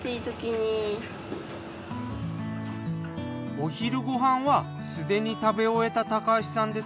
お昼ご飯はすでに食べ終えた橋さん